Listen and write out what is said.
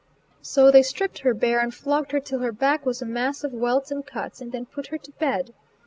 So they stripped her bare, and flogged her till her back was a mass of welts and cuts, and then put her to bed.